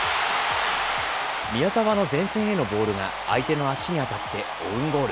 宮澤の前線へのボールが相手の足に当たってオウンゴール。